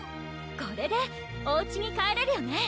これでおうちに帰れるよね？